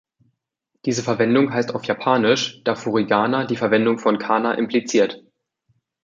Diese Verwendung heißt auf Japanisch, da „Furigana die Verwendung von Kana impliziert“.